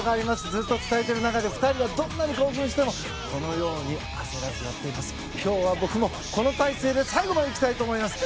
ずっと伝えている中で２人はどんなに興奮してもこのように焦らずやっています。